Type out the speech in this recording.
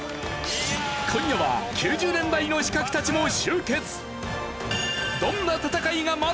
今夜は９０年代の刺客たちも集結！